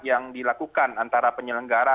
yang dilakukan antara penyelenggara